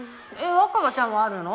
若葉ちゃんはあるの？